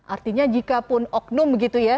artinya jika pun oknum begitu ini